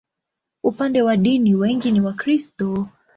Upande wa dini, wengi ni Wakristo.